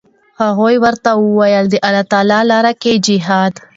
هغو ورته وویل: د الله لاره کې جهاد.